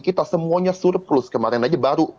kita semuanya surplus kemarin aja baru